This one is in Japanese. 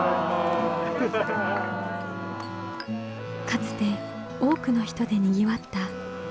かつて多くの人でにぎわった石見銀山の町。